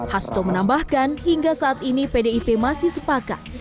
hasto menambahkan hingga saat ini pdip masih sepakat